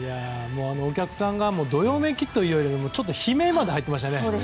お客さんがどよめきというよりもちょっと悲鳴まで入っていましたよね。